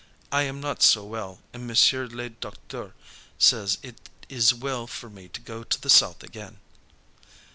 I am not so well, and Monsieur le docteur says it is well for me to go to the South again."